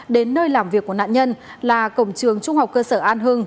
đến nơi làm việc của nạn nhân là cổng trường trung học cơ sở an hưng